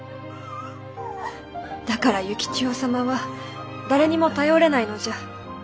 だから幸千代様は誰にも頼れないのじゃ。